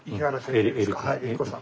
はい。